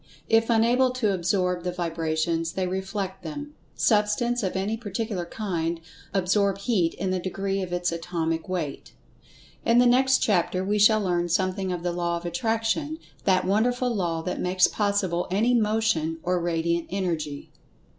If unable to "absorb" the vibrations, they "reflect" them. Substance, of any particular kind, absorb Heat in the degree of its atomic weight. In the next chapter we shall learn something[Pg 134] of The Law of Attraction, that wonderful Law that makes possible any Motion or Radiant Energy.